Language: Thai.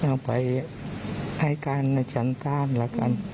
เอาไปให้การจันทราบแล้วกัน